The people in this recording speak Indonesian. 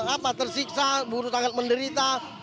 apa tersiksa buruh sangat menderita